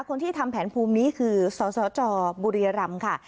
คนที่ทำแผนภูมินี้คือสสจบุรียรำค่ะ